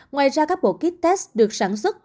ngoài ra các bộ kit test được sản xuất